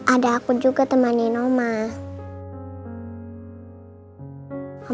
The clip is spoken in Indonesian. ada aku juga temanin mbak ma